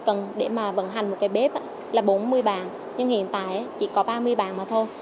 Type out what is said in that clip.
nhân viên cần để mà vận hành một cái bếp là bốn mươi bàn nhưng hiện tại chỉ có ba mươi bàn mà thôi